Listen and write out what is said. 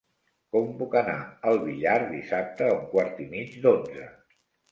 Com puc anar al Villar dissabte a un quart i mig d'onze?